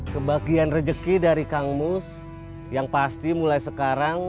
kebahagiaan rezeki dari kang mus yang pasti mulai sekarang